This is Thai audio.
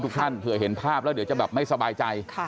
ท่านเผื่อเห็นภาพแล้วเดี๋ยวจะแบบไม่สบายใจ